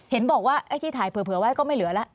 เห็นแบบว่าที่ถ่ายเผลอก็ไม่เหลือแล้ว